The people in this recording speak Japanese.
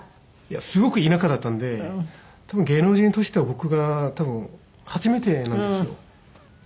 すごく田舎だったんで芸能人としては僕が多分初めてなんですよ。